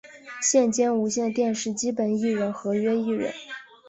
现兼无线电视基本艺人合约艺人。